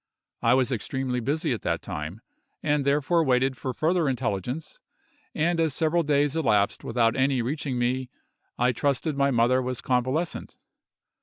I was extremely busy at that time, and therefore waited for further intelligence; and as several days elapsed without any reaching me, I trusted my mother was convalescent.